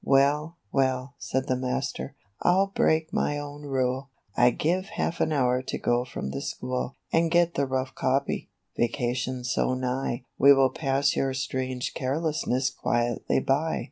" Well, well," said the master, I'll break my own rule ; I give half an hour to go from the school And get the rough copy. Vacation's so nigh, We will pass your strange carelessness quietly by."